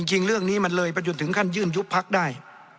จริงเรื่องนี้มันเลยไปจนถึงขั้นยื่นยุบพักได้